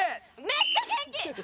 めっちゃ元気！